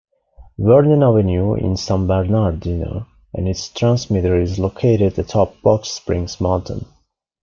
Vernon Avenue in San Bernardino, and its transmitter is located atop Box Springs Mountain.